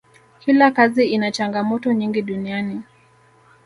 kila kazi ina changamoto nyingi duniani